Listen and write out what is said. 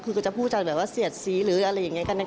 คือก็จะพูดจากแบบว่าเสียดสีหรืออะไรอย่างนี้กัน